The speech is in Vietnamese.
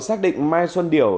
xác định mai xuân điểu